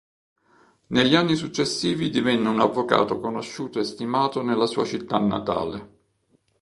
Negli anni successivi divenne un avvocato conosciuto e stimato nella sua città natale.